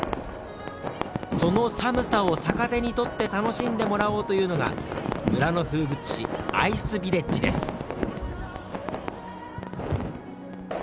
その寒さを逆手にとって楽しんでもらおうというのが村の風物詩アイスヴィレッジです。